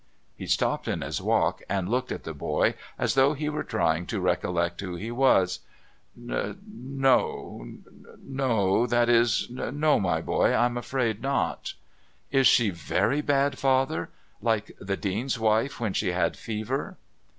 He stopped in his walk and looked at the boy as though he were trying to recollect who he was. "No... No that is No, my boy, I'm afraid not." "Is she very bad, Father like the Dean's wife when she had fever?"